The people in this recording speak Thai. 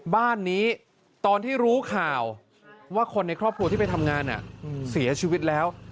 บ้านนี้ตอนที่รู้ข่าวว่าคนในครอบครัวที่ไปทำงานเสียชีวิตแล้ว